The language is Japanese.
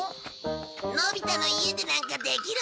のび太の家でなんかできるもんか！